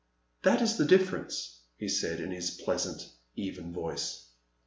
That is the diflFerence," he said in his pleas ant, even voice.